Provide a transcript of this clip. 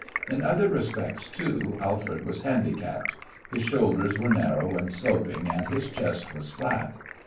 In other respects, too, Alfred was handicapped. His shoulders were narrow and sloping and his chest was flat.